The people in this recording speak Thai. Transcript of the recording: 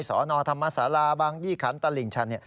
สนธรรมศาลาบางยี่ขันตลิ่งชัน